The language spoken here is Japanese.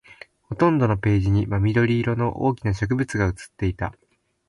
ほとんどのページに真緑色の大きな植物が写っていた